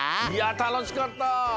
いやたのしかった！